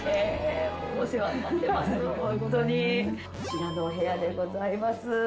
こちらのお部屋でございます。